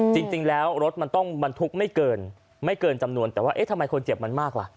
จริงแล้วรถมันต้องบรรทุกไม่เกินไม่เกินจำนวนแต่ว่าเอ๊ะทำไมคนเจ็บมันมากล่ะ